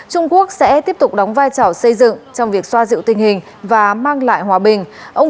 trung quốc sẽ tiếp tục đóng vai trò xây dựng trong việc xoa dịu tình hình và mang lại hòa bình